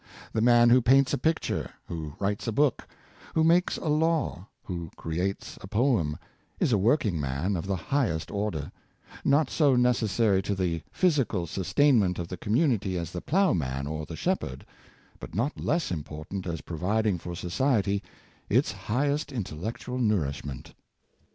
The man who paints a picture, w ho writes a book, who makes a law, who creates a poem, is a working man of the highest order; not so necessar}' to the physical sustainment of the community as the plowman or the shepherd, but not less important as providing for society its highest intellectual nourish ment.